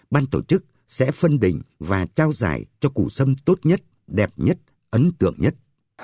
ban tổ chức sẽ phân định và trao giải cho củ sâm tốt nhất đẹp nhất ấn tượng nhất